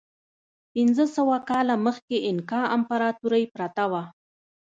پنځه سوه کاله مخکې اینکا امپراتورۍ پرته وه.